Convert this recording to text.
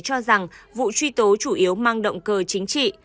cho rằng vụ truy tố chủ yếu mang động cơ chính trị